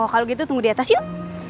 kalau gitu tunggu di atas yuk